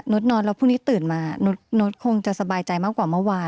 นอนแล้วพรุ่งนี้ตื่นมาโน๊ตคงจะสบายใจมากกว่าเมื่อวาน